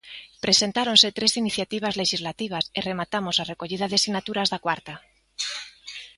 Presentáronse tres iniciativas lexislativas e rematamos a recollida de sinaturas da cuarta.